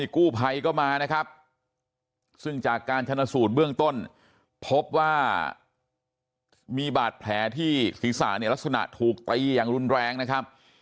กู้ภัยก็มานะครับซึ่งจากการชนะสูตรเบื้องต้นพบว่ามีบาดแผลที่ศีรษะเนี่ยลักษณะถูกตีอย่างรุนแรงนะครับ